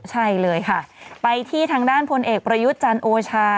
ใช่เลยค่ะไปที่ทางด้านพลเอกประยุทธ์จันทร์โอชา